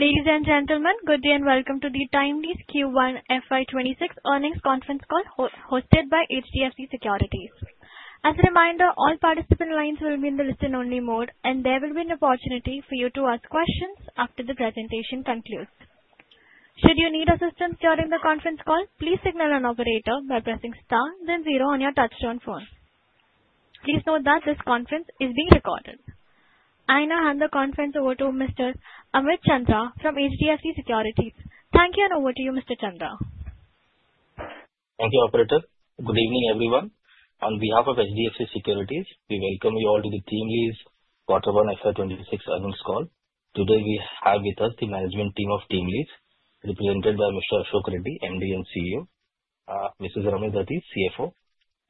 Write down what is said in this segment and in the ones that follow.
Ladies and gentlemen, good day and welcome to the TeamLease Q1 FY2026 earnings conference call hosted by HDFC Securities. As a reminder, all participant lines will be in the listen-only mode, and there will be an opportunity for you to ask questions after the presentation concludes. Should you need assistance during the conference call, please signal an operator by pressing star, then zero on your touch-tone phone. Please note that this conference is being recorded. I now hand the conference over to Mr. Amit Chandra from HDFC Securities. Thank you, and over to you, Mr. Chandra. Thank you, operator. Good evening, everyone. On behalf of HDFC Securities, we welcome you all to the TeamLease Q1 FY2026 earnings call. Today, we have with us the management team of TeamLease, represented by Mr. Ashok Reddy, MD and CEO, Ms. Ramani Dathi, CFO,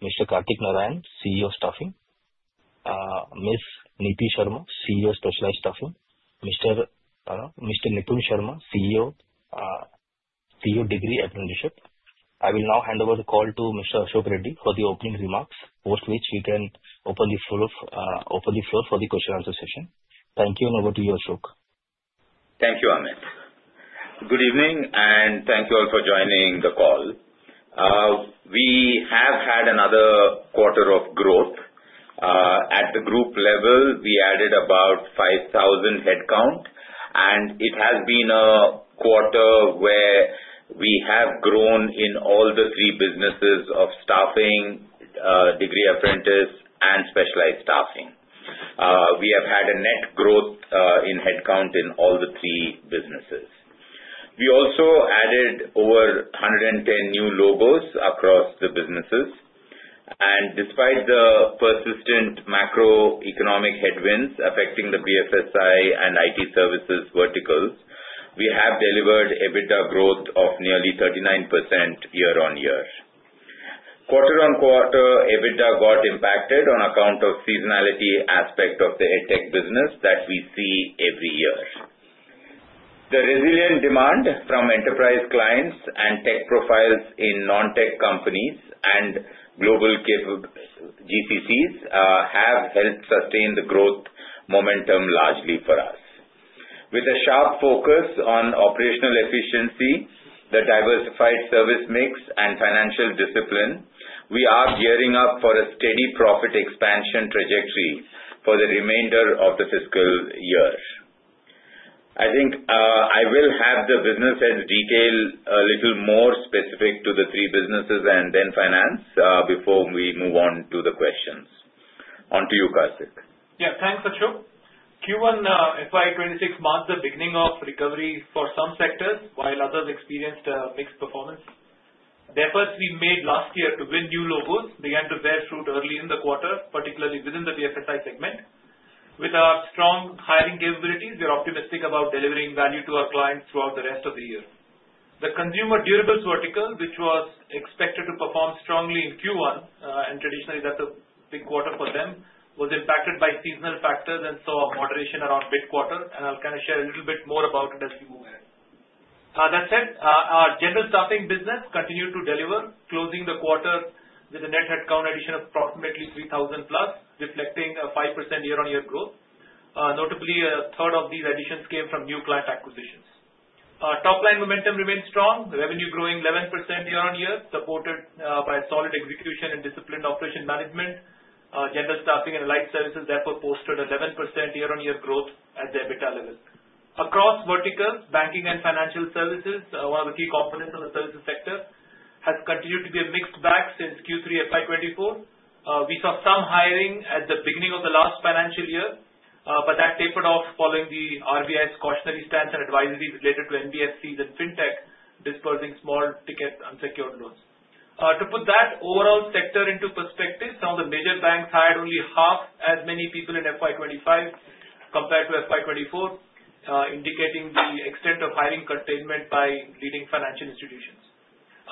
Mr. Kartik Narayan, CEO of Staffing, Ms. Neeti Sharma, CEO of Specialized Staffing, Mr. Nipun Sharma, CEO, Degree Apprenticeship. I will now hand over the call to Mr. Ashok Reddy for the opening remarks, with which he can open the floor for the question-and-answer session. Thank you, and over to you, Ashok. Thank you, Amit. Good evening, and thank you all for joining the call. We have had another quarter of growth. At the group level, we added about 5,000 headcount, and it has been a quarter where we have grown in all the three businesses of Staffing, Degree Apprenticeship, and Specialized Staffing. We have had a net growth in headcount in all the three businesses. We also added over 110 new logos across the businesses. Despite the persistent macroeconomic headwinds affecting the BFSI and IT services verticals, we have delivered EBITDA growth of nearly 39% year-on-year. Quarter-on-quarter, EBITDA got impacted on account of the seasonality aspect of the tech business that we see every year. The resilient demand from enterprise clients and tech profiles in non-tech companies and global GCCs have helped sustain the growth momentum largely for us. With a sharp focus on operational efficiency, the diversified service mix, and financial discipline, we are gearing up for a steady profit expansion trajectory for the remainder of the fiscal year. I think I will have the businesses detail a little more specific to the three businesses and then finance before we move on to the questions. On to you, Kartik. Yeah, thanks, Ashok. Q1 FY2026 marked the beginning of recovery for some sectors, while others experienced a mixed performance. The efforts we made last year to win new logos began to bear fruit early in the quarter, particularly within the BFSI segment. With our strong hiring capabilities, we are optimistic about delivering value to our clients throughout the rest of the year. The consumer durables vertical, which was expected to perform strongly in Q1, and traditionally, that's a big quarter for them, was impacted by seasonal factors and saw a moderation around mid-quarter. I'll share a little bit more about it as we move ahead. That said, our general staffing business continued to deliver, closing the quarter with a net headcount addition of approximately 3,000+, reflecting a 5% year-on-year growth. Notably, a third of these additions came from new client acquisitions. Our top-line momentum remains strong, revenue growing 11% year-on-year, supported by solid execution and disciplined operation management. General staffing and allied services, therefore, posted an 11% year-on-year growth at the EBITDA level. Across verticals, banking and financial services are the key components of the services sector. It has continued to be a mixed bag since Q3 FY2024. We saw some hiring at the beginning of the last financial year, but that tapered off following the RBI's cautionary stance and advisories related to NBFCs and fintechs dispersing small ticket unsecured loans. To put that overall sector into perspective, some of the major banks hired only half as many people in FY2025 compared to FY2024, indicating the extent of hiring containment by leading financial institutions.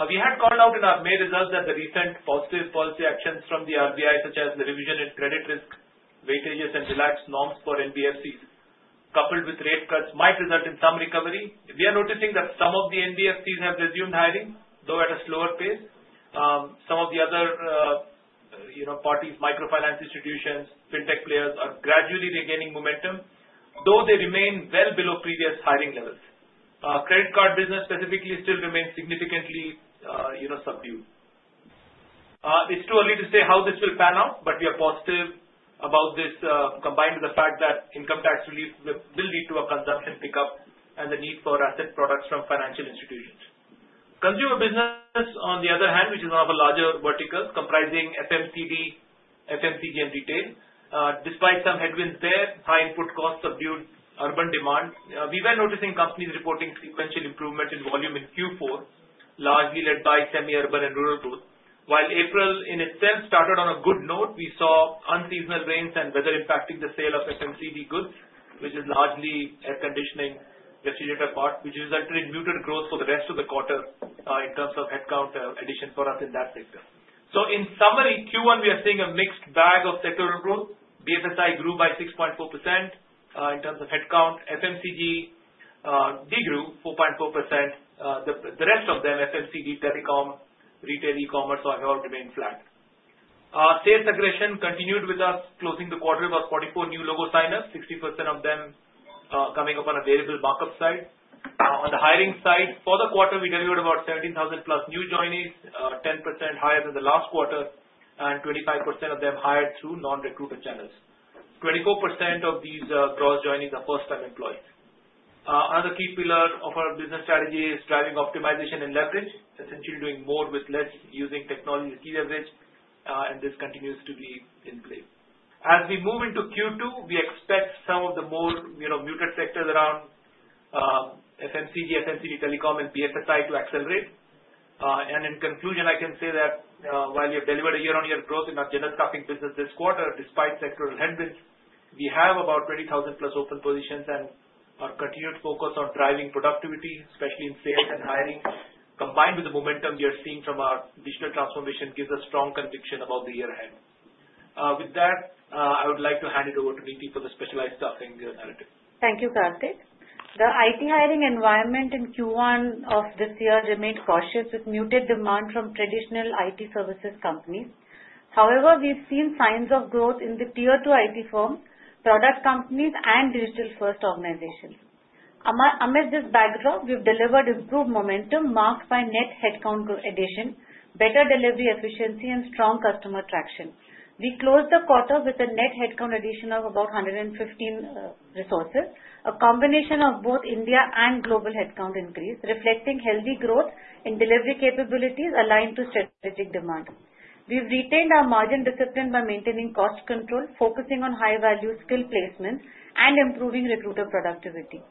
We had called out in our May results that the recent positive first reactions from the RBI, such as the revision in credit risk weightages and relaxed norms for NBFCs, coupled with rate cuts, might result in some recovery. We are noticing that some of the NBFCs have resumed hiring, though at a slower pace. Some of the other parties, microfinance institutions, fintech players, are gradually regaining momentum, though they remain well below previous hiring levels. Credit card business specifically still remains significantly subdued. It's too early to say how this will pan out, but we are positive about this, combined with the fact that income tax relief will lead to a consumption pickup and the need for asset products from financial institutions. Consumer business, on the other hand, which is one of the larger verticals comprising FMCG and retail, despite some headwinds there, high input costs, subdued urban demand, we were noticing companies reporting sequential improvements in volume in Q4, largely led by semi-urban and rural growth. While April in itself started on a good note, we saw unseasonal rains and weather impacting the sale of FMCG goods, which is largely a conditioning decision by part, which resulted in muted growth for the rest of the quarter in terms of headcount addition for us in that sector. In summary, Q1, we are seeing a mixed bag of sectoral growth. BFSI grew by 6.4% in terms of headcount. FMCG degrew 4.4%. The rest of them, FMCG, telecom, retail, e-commerce, all remained flat. Sales aggression continued with us closing the quarter with about 44 new logo signers, 60% of them coming up on a variable markup side. On the hiring side, for the quarter, we delivered about 17,000+ new joinies, 10% higher than the last quarter, and 25% of them hired through non-recruiter channels. 24% of these cross-joining are first-time employees. Another key pillar of our business strategy is driving optimization and leverage, essentially doing more with less, using technology as key leverage, and this continues to be in play. As we move into Q2, we expect some of the more muted sectors around FMCG, FMCG telecom, and BFSI to accelerate. In conclusion, I can say that while we have delivered a year-on-year growth in our general staffing business this quarter, despite sectoral headwinds, we have about 20,000+ open positions and our continued focus on driving productivity, especially in sales and hiring, combined with the momentum we are seeing from our digital transformation, gives us strong conviction about the year ahead. With that, I would like to hand it over to Neeti for the specialized staffing newsletter. Thank you, Kartik. The IT hiring environment in Q1 of this year remains cautious with muted demand from traditional IT services companies. However, we've seen signs of growth in the Tier 2 IT firms, product companies, and digital-first organizations. Amidst this backdrop, we've delivered improved momentum marked by net headcount addition, better delivery efficiency, and strong customer traction. We closed the quarter with a net headcount addition of about 115 resources, a combination of both India and global headcount increase, reflecting healthy growth in delivery capabilities aligned to strategic demand. We've retained our margin discipline by maintaining cost control, focusing on high-value skill placements, and improving recruiter productivity.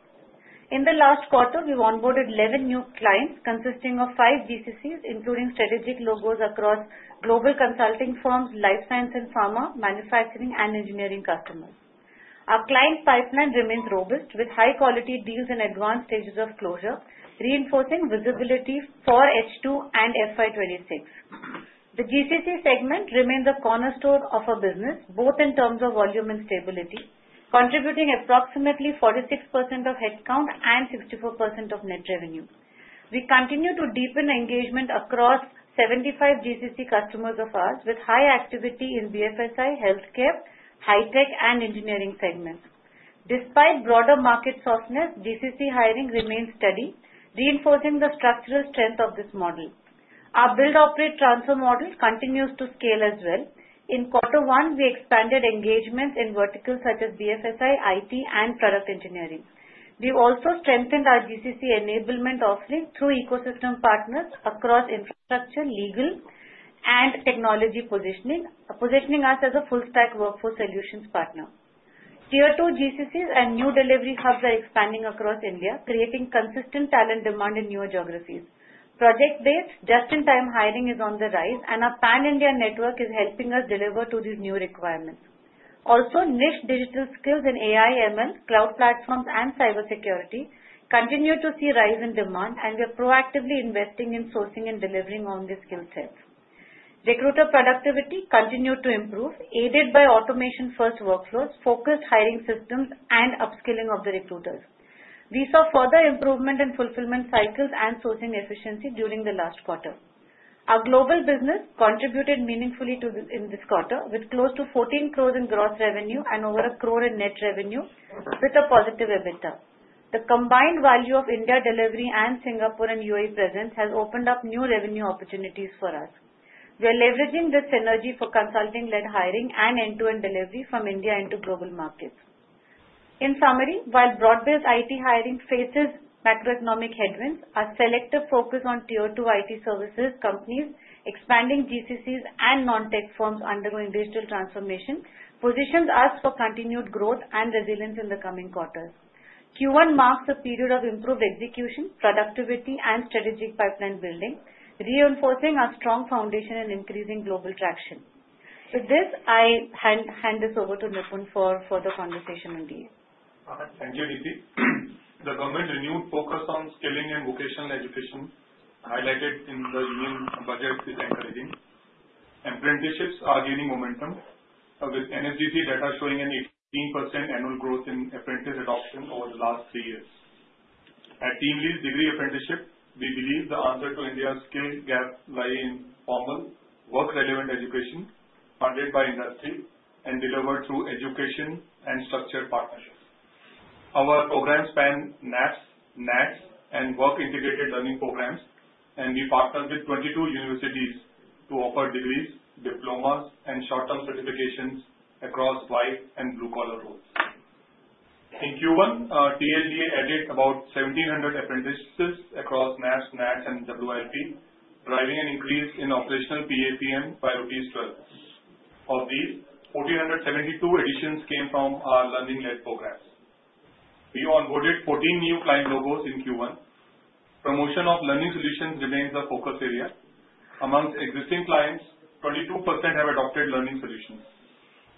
In the last quarter, we've onboarded 11 new clients consisting of five GCCs, including strategic logos across global consulting firms, life science and pharma, manufacturing, and engineering customers. Our client pipeline remains robust with high-quality deals in advanced stages of closure, reinforcing visibility for H2 and FY2026. The GCC segment remains a cornerstone of our business, both in terms of volume and stability, contributing approximately 46% of headcount and 64% of net revenue. We continue to deepen engagement across 75 GCC customers of ours, with high activity in BFSI, healthcare, high-tech, and engineering segments. Despite broader market softness, GCC hiring remains steady, reinforcing the structural strength of this model. Our build-operate transfer model continues to scale as well. In Q1, we expanded engagements in verticals such as BFSI, IT, and ferrous engineering. We also strengthened our GCC enablement offering through ecosystem partners across infrastructure, legal, and technology positioning, positioning us as a full-stack workforce solutions partner. Tier 2 GCCs and new delivery hubs are expanding across India, creating consistent talent demand in newer geographies. Project-based, just-in-time hiring is on the rise, and our pan-Indian network is helping us deliver to these new requirements. Also, niche digital skills in AI/ML, cloud platforms, and cybersecurity continue to see rise in demand, and we are proactively investing in sourcing and delivering on these skill sets. Recruiter productivity continued to improve, aided by automation-first workflows, focused hiring systems, and upskilling of the recruiters. We saw further improvement in fulfillment cycles and sourcing efficiency during the last quarter. Our global business contributed meaningfully in this quarter, with close to 14 crore in gross revenue and over 1 crore in net revenue, with a positive EBITDA. The combined value of India delivery and Singapore and UAE presence has opened up new revenue opportunities for us. We are leveraging this synergy for consulting-led hiring and end-to-end delivery from India into global markets. In summary, while broad-based IT hiring faces macroeconomic headwinds, a selective focus on Tier 2 IT services companies, expanding GCCs, and non-tech firms undergoing digital transformation positions us for continued growth and resilience in the coming quarters. Q1 marks a period of improved execution, productivity, and strategic pipeline building, reinforcing our strong foundation and increasing global traction. With this, I hand this over to Nipun for further conversation and deal. Thank you, Neeti. The government renewed focus on skilling and vocational education, highlighted in the June budget, which is encouraging. Apprenticeships are gaining momentum, with NSDC data showing an 18% annual growth in apprentice adoption over the last three years. At TeamLease Degree Apprenticeship, we believe the answer to India's skill gaps lies in formal, work-relevant education funded by industry and delivered through education and structured partnerships. Our programs span NAFs, NACs, and work-integrated learning programs, and we partnered with 22 universities to offer degrees, diplomas, and short-term certifications across white and blue-collar roles. In Q1, TLG added about 1,700 apprentices across NAFs, NACs, and WIP, driving an increase in operational PAPM by at least 12. Of these, 1,472 additions came from our learning-led programs. We onboarded 14 new client logos in Q1. Promotion of learning solutions remains a focus area. Among existing clients, 22% have adopted learning solutions.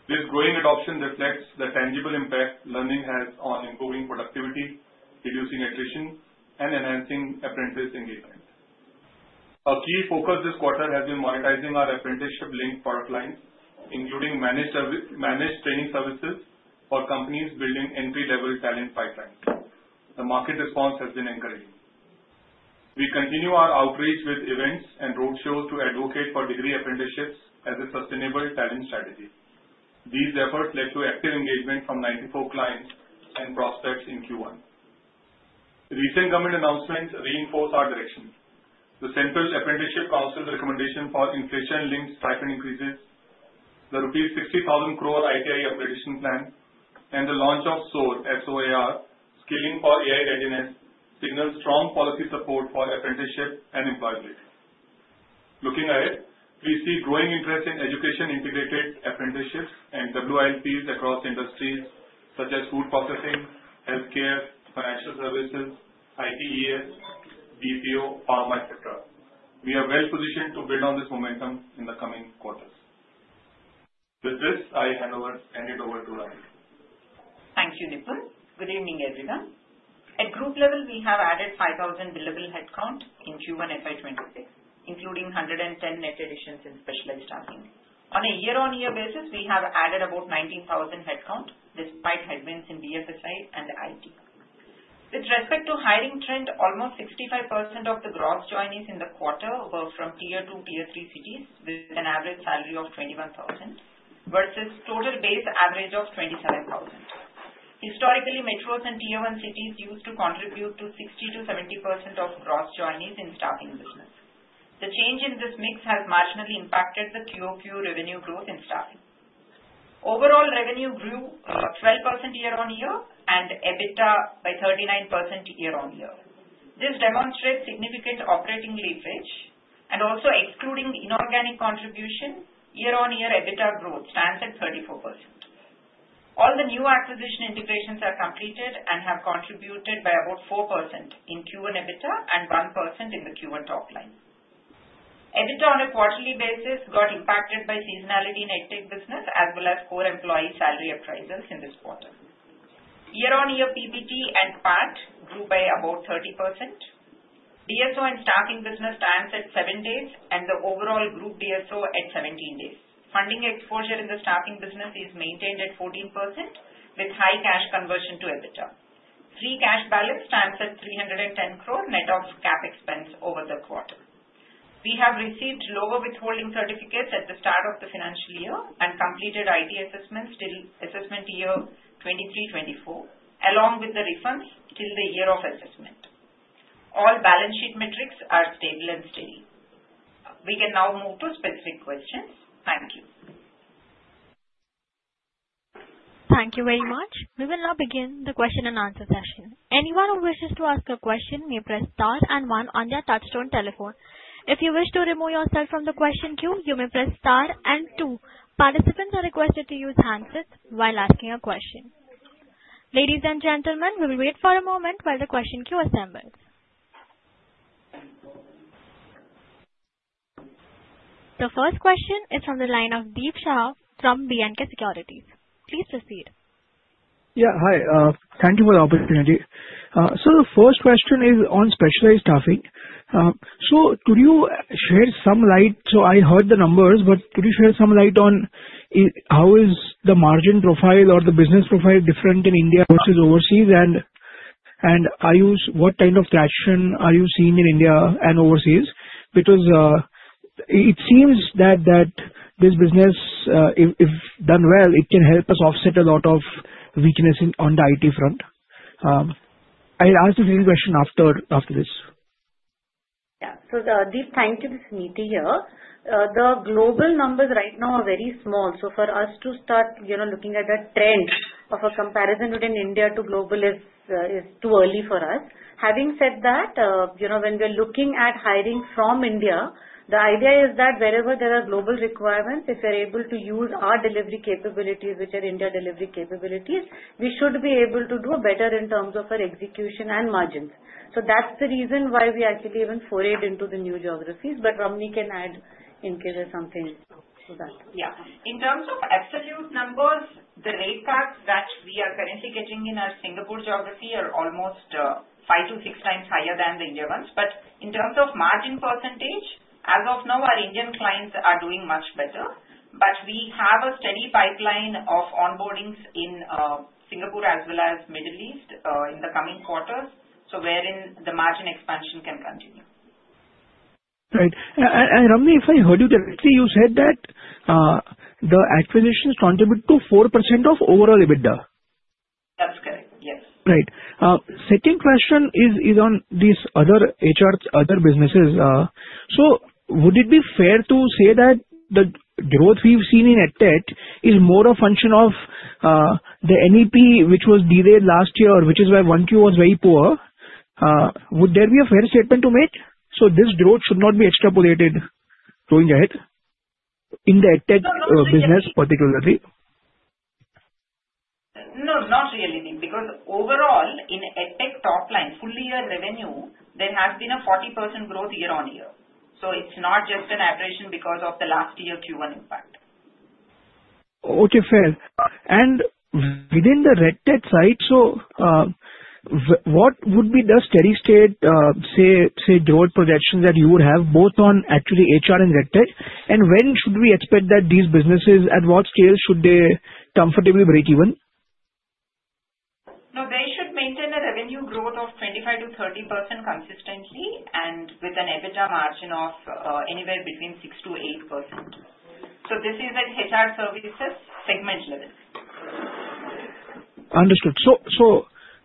This growing adoption reflects the tangible impact learning has on improving productivity, reducing attrition, and enhancing apprentice engagement. A key focus this quarter has been monetizing our apprenticeship-linked product lines, including managed training services for companies building entry-level talent pipelines. The market response has been encouraging. We continue our outreach with events and roadshows to advocate for degree apprenticeships as a sustainable talent strategy. These efforts led to active engagement from 94 clients and prospects in Q1. Recent government announcements reinforce our direction. The Central Apprenticeship Council's recommendation for inflation-linked stipend increases, the rupees 60,000 crore ITI acquisition plan, and the launch of SOAR, S-O-A-R, Skilling for AI Readiness, signal strong policy support for apprenticeship and employability. Looking ahead, we see growing interest in education-integrated apprenticeships and WILPs across industries such as food processing, healthcare, financial services, ITES, BPO, pharma, etc. We are well positioned to build on this momentum in the coming quarters. With this, I hand over to Ramani. Thank you, Nipun. Good evening, everyone. At group level, we have added 5,000 billable headcount in Q1 FY2026, including 110 net additions in specialized staffing. On a year-on-year basis, we have added about 19,000 headcount despite headwinds in BFSI and IT. With respect to hiring trend, almost 65% of the gross joinies in the quarter were from Tier 2, Tier 3 cities with an average salary of 21,000 versus total base average of 27,000. Historically, metros and Tier 1 cities used to contribute to 60%-70% of gross joinies in staffing business. The change in this mix has marginally impacted the Q2 revenue growth in staffing. Overall revenue grew 12% year-on-year and EBITDA by 39% year-on-year. This demonstrates significant operating leverage and also excluding inorganic contribution, year-on-year EBITDA growth stands at 34%. All the new acquisition integrations are completed and have contributed by about 4% in Q1 EBITDA and 1% in the Q1 top line. EBITDA on a quarterly basis got impacted by seasonality in business as well as core employee salary appraisals in this quarter. Year-on-year PBT and PAT grew by about 30%. DSO in staffing business stands at seven days and the overall group DSO at 17 days. Funding exposure in the staffing business is maintained at 40% with high cash conversion to EBITDA. Free cash balance stands at 310 crore net of CapEx over the quarter. We have received lower withholding certificates at the start of the financial year and completed IT assessments till assessment year 2023-2024, along with the refunds till the year of assessment. All balance sheet metrics are stable and steady. We can now move to specific questions. Thank you. Thank you very much. We will now begin the question-and-answer session. Anyone who wishes to ask a question may press star and one on your touch-tone telephone. If you wish to remove yourself from the question queue, you may press star and two. Participants are requested to use handsets while asking a question. Ladies and gentlemen, we will wait for a moment while the question queue assembles. The first question is from the line of Deep Shah from B&K Capital. Please proceed. Yeah, hi. Thank you for the opportunity. The first question is on specialized staffing. Could you shed some light? I heard the numbers, but could you shed some light on how is the margin profile or the business profile different in India versus overseas? Are you, what kind of traction are you seeing in India and overseas? It seems that this business, if done well, it can help us offset a lot of weaknesses on the IT front. I'll ask the same question after this. Yeah. So Deep, thank you. This is Neeti here. The global numbers right now are very small. For us to start looking at the trends of a comparison within India to global is too early for us. Having said that, when we're looking at hiring from India, the idea is that wherever there are global requirements, if we're able to use our delivery capabilities, which are India delivery capabilities, we should be able to do better in terms of our execution and margins. That's the reason why we actually even forayed into the new geographies. Ramani can add in case there's something to that. In terms of absolute numbers, the rate caps that we are currently getting in our Singapore geography are almost 5x-6x higher than the India ones. In terms of margin percentage, as of now, our Indian clients are doing much better. We have a steady pipeline of onboardings in Singapore as well as the Middle East in the coming quarters, wherein the margin expansion can continue. Right. Ramani, if I heard you correctly, you said that the acquisitions contributed to 4% of overall EBITDA. Yes. Right. Second question is on these other HRs, other businesses. Would it be fair to say that the growth we've seen in EdTech is more a function of the NEP, which was delayed last year, which is why Q1 was very poor? Would that be a fair statement to make? This growth should not be extrapolated going ahead in the EdTech business particularly. No, not really, Deep, because overall, in ETET top line, full-year revenue, there has been a 40% growth year-on-year. It's not just an apprehension because of the last year Q1 impact. Okay, fair. Within the EdTech side, what would be the steady state, say, growth projections that you would have both on actually HR and EdTech? When should we expect that these businesses, at what scale should they comfortably break even? No, they should maintain a revenue growth of 25%-30% consistently, with an EBITDA margin of anywhere between 6%-8%. This is an HR services segment level. Understood.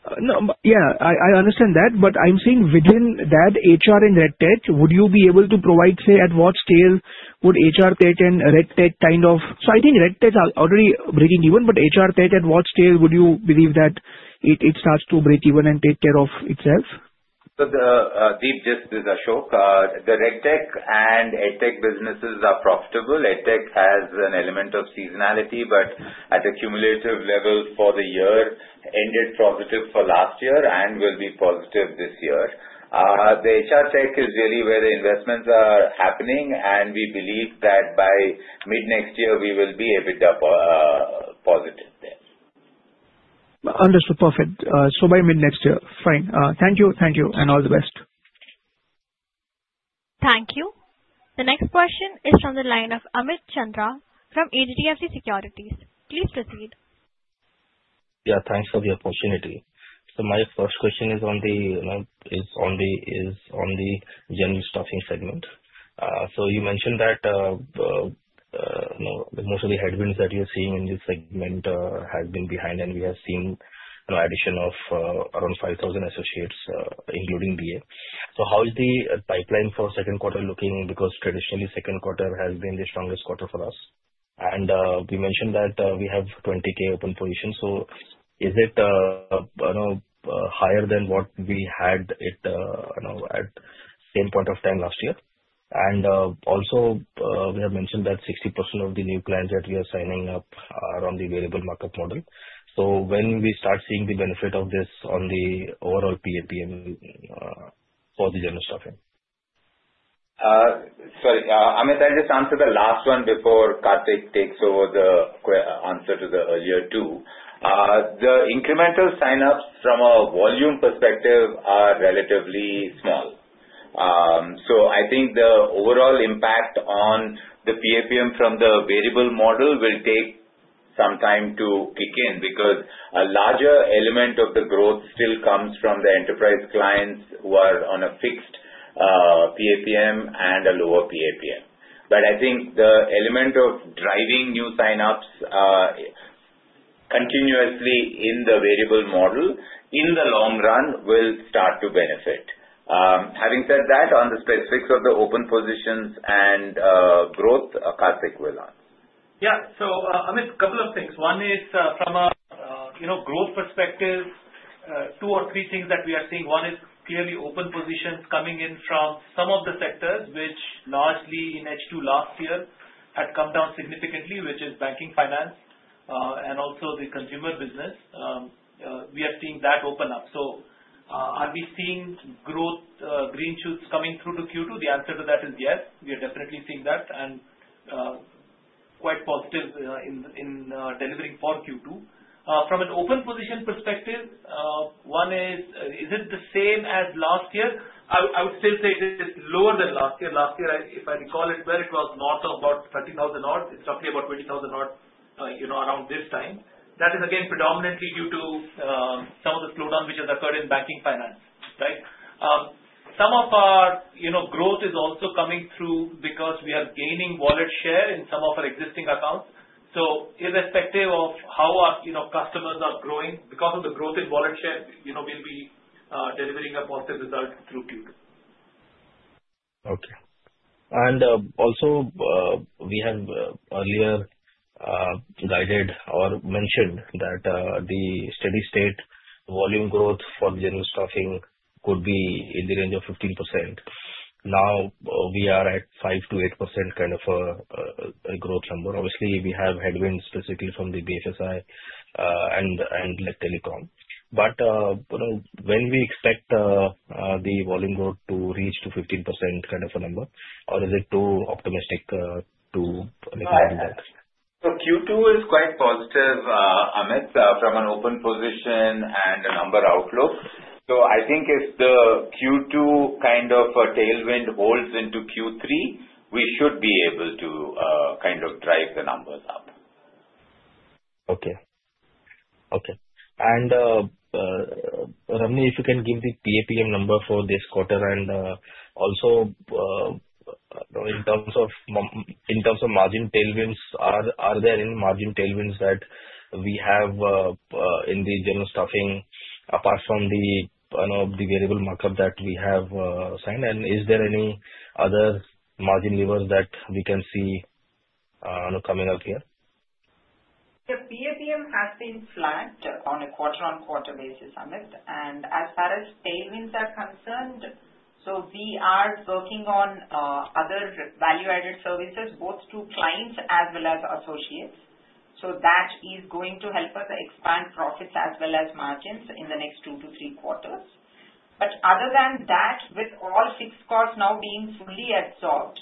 I understand that, but I'm saying within that HRTech and EdTech, would you be able to provide, say, at what scale would HRTech and EdTech kind of, I think EdTech is already breaking even, but HRTech, at what scale would you believe that it starts to break even and take care of itself? Deep, just as Ashok, the EdTech and HRTech businesses are profitable. EdTech has an element of seasonality, but at a cumulative level for the year, ended positive for last year and will be positive this year. The HRTech is really where the investments are happening, and we believe that by mid-next year, we will be EBITDA positive. Understood. Perfect. By mid-next year. Fine. Thank you. Thank you and all the best. Thank you. The next question is from the line of Amit Chandra from HDFC Securities. Please proceed. Yeah, thanks for the opportunity. My first question is on the general staffing segment. You mentioned that most of the headwinds that you're seeing in this segment have been behind, and we have seen an addition of around 5,000 associates, including DA. How is the pipeline for second quarter looking? Traditionally, second quarter has been the strongest quarter for us. We mentioned that we have 20,000 open positions. Is it higher than what we had at the same point of time last year? Also, we have mentioned that 60% of the new clients that we are signing up are on the variable markup model. When do we start seeing the benefit of this on the overall PAPM for the general staffing? Sorry, Amit, I'll just answer the last one before Kartik takes over the answer to the earlier two. The incremental sign-ups from a volume perspective are relatively small. I think the overall impact on the PAPM from the variable model will take some time to kick in because a larger element of the growth still comes from the enterprise clients who are on a fixed PAPM and a lower PAPM. I think the element of driving new sign-ups continuously in the variable model, in the long run, will start to benefit. Having said that, on the specifics of the open positions and growth, Kartik, go ahead. Yeah. Amit, a couple of things. One is from a growth perspective, two or three things that we are seeing. One is clearly open positions coming in from some of the sectors which largely in HQ last year had come down significantly, which is banking, finance, and also the consumer business. We are seeing that open up. Are we seeing growth green shoots coming through to Q2? The answer to that is yes. We are definitely seeing that and quite positive in delivering for Q2. From an open position perspective, is it the same as last year? I would still say it is lower than last year. Last year, if I recall as well, it was north of about 30,000 odd. It's roughly about 20,000 odd around this time. That is, again, predominantly due to some of the slowdown which has occurred in banking, finance, right? Some of our growth is also coming through because we are gaining wallet share in some of our existing accounts. Irrespective of how our customers are growing, because of the growth in wallet share, we'll be delivering a positive result through Q2. Okay. Also, we have earlier guided or mentioned that the steady state volume growth for the general staffing could be in the range of 15%. Now, we are at 5%-8% kind of a growth number. Obviously, we have headwinds specifically from the BFSI and telecom. When do we expect the volume growth to reach 15% kind of a number, or is it too optimistic to make a high result? Q2 is quite positive, Amit, from an open position and a number outlook. I think if the Q2 kind of tailwind holds into Q3, we should be able to kind of drive the numbers up. Okay. Okay. Ramani, if you can give the PAPM number for this quarter and also in terms of margin tailwinds, are there any margin tailwinds that we have in the general staffing apart from the variable markup that we have signed? Is there any other margin levers that we can see coming up here? The PAPM has been flat on a quarter-on-quarter basis, Amit. As far as tailwinds are concerned, we are working on other value-added services, both to clients as well as associates. That is going to help us expand profits as well as margins in the next two to three quarters. Other than that, with all six costs now being fully absorbed,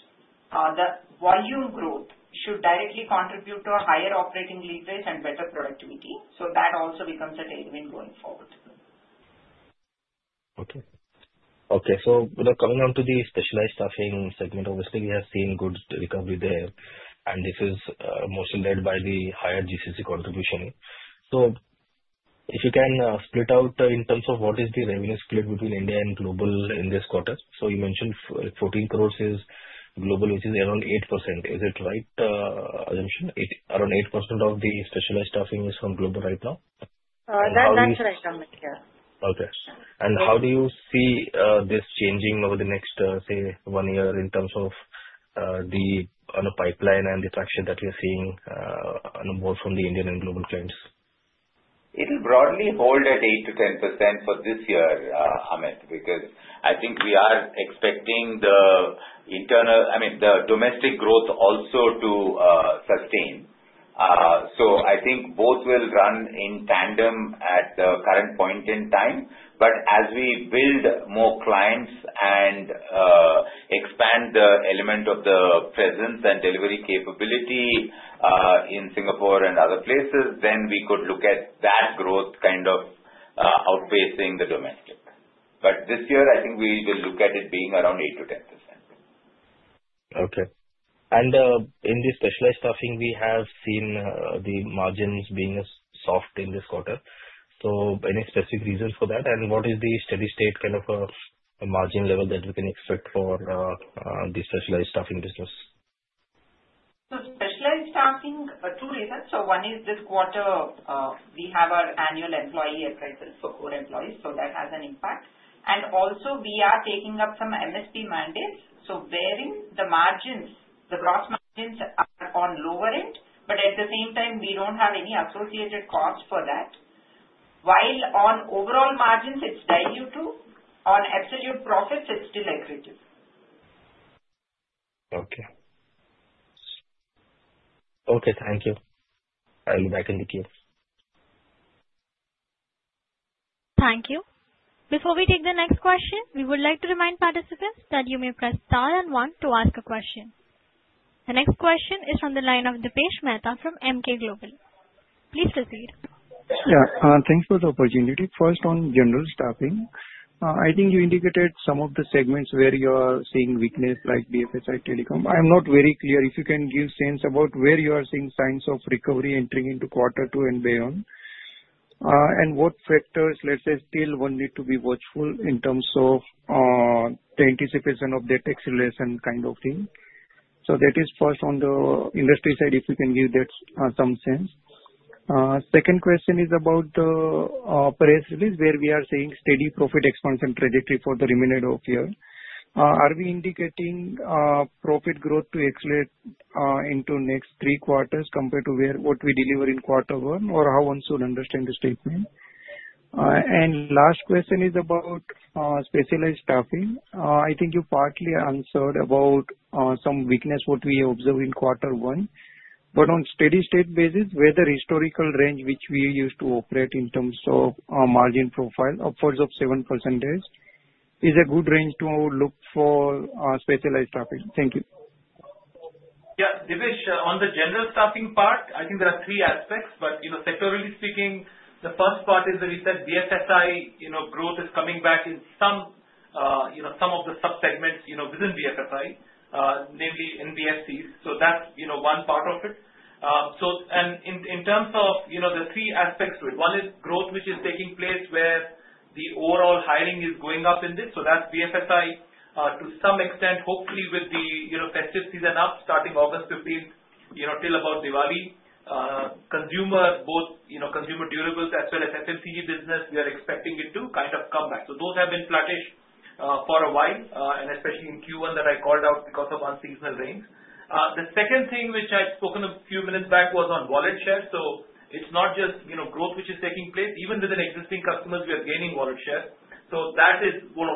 the volume growth should directly contribute to a higher operating leverage and better productivity. That also becomes a tailwind goal. Okay. Okay. Coming on to the specialized staffing segment, obviously, we have seen good recovery there. This is mostly led by the higher GCC contribution. If you can split out in terms of what is the revenue split between India and global in this quarter. You mentioned 14 crore is global, which is around 8%. Is it right, Amit? Around 8% of the specialized staffing is from global right now? That's right, Amit. Yes. Okay. How do you see this changing over the next, say, one year in terms of the pipeline and the traction that we're seeing both from the Indian and global clients? It'll broadly hold at 8%-10% for this year, Amit, because I think we are expecting the internal, I mean, the domestic growth also to sustain. I think both will run in tandem at the current point in time. As we build more clients and expand the element of the presence and delivery capability in Singapore and other places, we could look at that growth kind of outpacing the domestic. This year, I think we will look at it being around 8%-10%. Okay. In the specialized staffing, we have seen the margins being soft in this quarter. Are there any specific reasons for that? What is the steady state kind of a margin level that we can expect for the specialized staffing business? Specialized staffing, two reasons. One is this quarter, we have our annual employee appraisals for core employees, so that has an impact. Also, we are taking up some MSP mandates, wherein the gross margins are on the lower end, but at the same time, we don't have any associated costs for that. While on overall margins, it's value too. On absolute profits, it's still accretive. Okay. Thank you. I'll be back in the queue. Thank you. Before we take the next question, we would like to remind participants that you may press star and one to ask a question. The next question is from the line of Dipesh Mehta from Emkay Global. Please proceed. Yeah. Thanks for the opportunity. First, on general staffing, I think you indicated some of the segments where you are seeing weakness, like BFSI, telecom. I'm not very clear. If you can give a sense about where you are seeing signs of recovery entering into quarter two and beyond, and what factors, let's say, still one needs to be watchful in terms of the anticipation of the tax relation kind of thing. That is first on the industry side, if you can give that some sense. Second question is about the press release where we are seeing steady profit expansion trajectory for the remainder of the year. Are we indicating profit growth to excellence into the next three quarters compared to what we delivered in quarter one, or how one should understand the statement? The last question is about specialized staffing. I think you partly answered about some weakness, what we observed in quarter one. On a steady state basis, where the historical range which we used to operate in terms of margin profile upwards of 7% is a good range to look for specialized staffing. Thank you. Yeah. Dipesh, on the general staffing part, I think there are three aspects. Sectorally speaking, the first part is that we said BFSI growth is coming back in some of the subsegments within BFSI, namely NBFCs. That's one part of it. In terms of the three aspects to it, one is growth, which is taking place where the overall hiring is going up in this. That's BFSI to some extent, hopefully with the festive season up, starting August 15th till about Diwali. Consumer, both consumer durables as well as FMCG business, we are expecting it to kind of come back. Those have been flattish for a while, and especially in Q1 that I called out because of unseasonal rains. The second thing which I spoke a few minutes back was on wallet share. It's not just growth which is taking place. Even within existing customers, we are gaining wallet share. That is what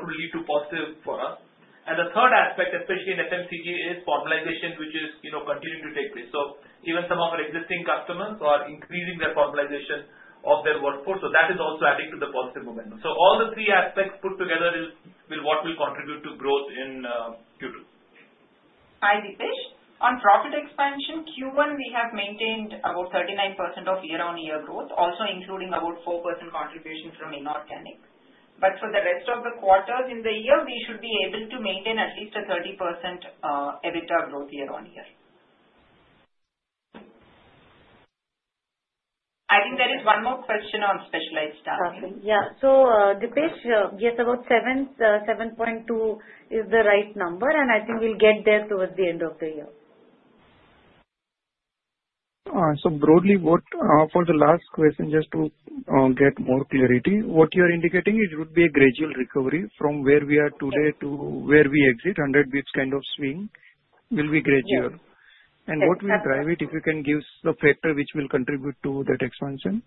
will lead to positive for us. The third aspect, especially in FMCG, is formalization, which is continuing to take place. Even some of our existing customers are increasing their formalization of their workforce. That is also adding to the positive momentum. All the three aspects put together will be what will contribute to growth in Q2. Hi, Dipesh. On profit expansion, Q1, we have maintained about 39% of year-on-year growth, also including about 4% contributions from inorganic. For the rest of the quarters in the year, we should be able to maintain at least a 30% EBITDA growth year-on-year. I think there is one more question on specialized staffing. Yeah, Dipesh, yes, about 7.2 is the right number, and I think we'll get there towards the end of the year. For the last question, just to get more clarity, what you are indicating is it would be a gradual recovery from where we are today to where we exit. 100 weeks kind of swing will be gradual. What will drive it, if you can give the factor which will contribute to that expansion?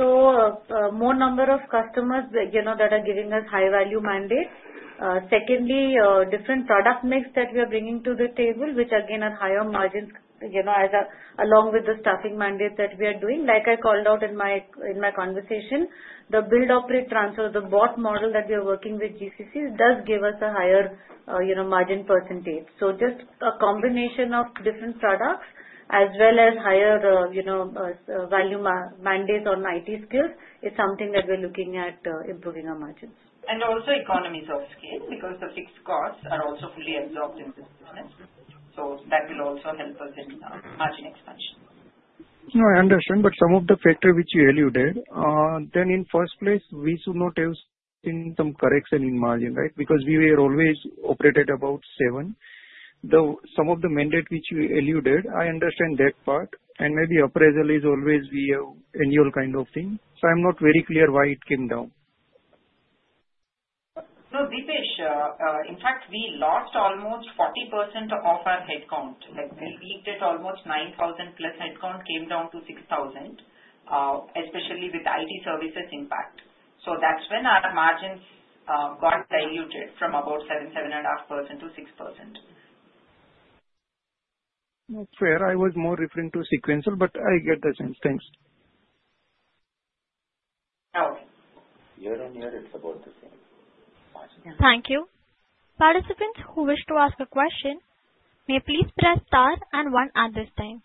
More number of customers are giving us high-value mandates. Secondly, different product mix that we are bringing to the table, which again are higher margins, along with the staffing mandate that we are doing. Like I called out in my conversation, the build-operate transfer, the BOSS model that we are working with GCCs does give us a higher margin percentage. Just a combination of different products as well as higher value mandates on IT skills is something that we're looking at improving our margins. And also economies of scale because the fixed costs are also fully absorbed in this market. No, I understand, but some of the factors which you alluded, in the first place, we should not have seen some correction in margin, right? Because we were always operated about seven. Though some of the mandates which you alluded, I understand that part, and maybe appraisal is always the annual kind of thing. I'm not very clear why it came down. Dipesh, in fact, we lost almost 40% of our headcount. We did almost 9,000+ headcount, came down to 6,000, especially with IT services impact. That's when our margins got diluted from about 7%, 7.5% to 6%. Fair. I was more referring to sequential, but I get the sense. Thanks. Year-on-year, it's about the same. Thank you. Participants who wish to ask a question may please press star and one at this time.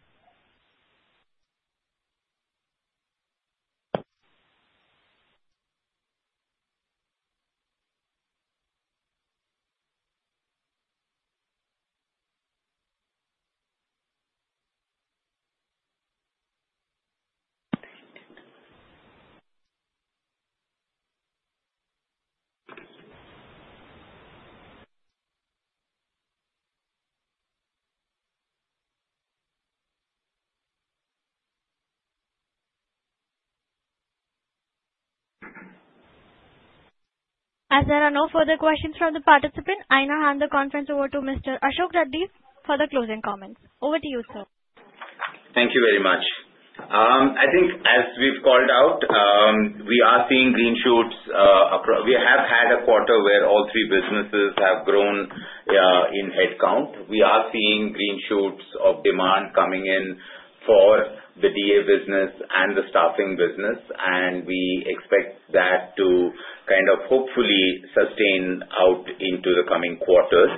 As there are no further questions from the participants, I now hand the conference over to Mr. Ashok Reddy for the closing comments. Over to you, sir. Thank you very much. I think as we've called out, we are seeing green shoots. We have had a quarter where all three businesses have grown in headcount. We are seeing green shoots of demand coming in for the Degree Apprenticeship business and the staffing business, and we expect that to kind of hopefully sustain out into the coming quarters.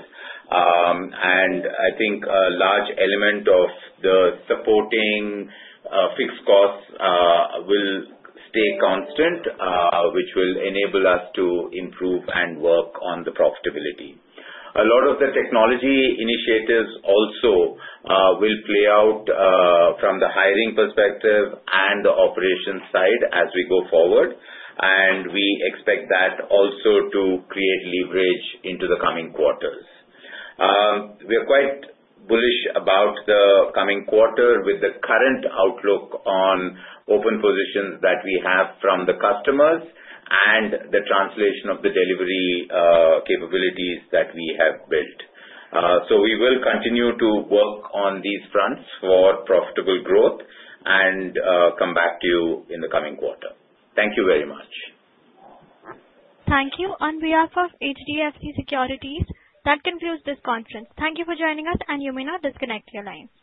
I think a large element of the supporting fixed costs will stay constant, which will enable us to improve and work on the profitability. A lot of the technology initiatives also will play out from the hiring perspective and the operations side as we go forward, and we expect that also to create leverage into the coming quarters. We are quite bullish about the coming quarter with the current outlook on open positions that we have from the customers and the translation of the delivery capabilities that we have built. We will continue to work on these fronts for profitable growth and come back to you in the coming quarter. Thank you very much. Thank you. On behalf of HDFC Securities, that concludes this conference. Thank you for joining us, and you may now disconnect your lines.